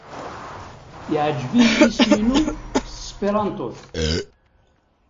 Yeɛjeb-iyi yisem-inu s tesperantot.